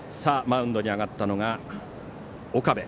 マウンドに上がったのが岡部。